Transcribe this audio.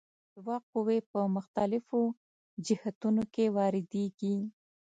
دوه قوې په مخالفو جهتونو کې واردیږي.